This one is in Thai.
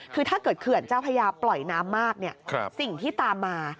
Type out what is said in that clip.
คือถ้าเกิดเขื่อนเจ้าพญาปล่อยน้ำมากสิ่งที่ตามมา